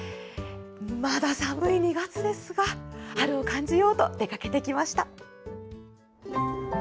まだ寒い２月ですが、春を感じようと、出かけてきました。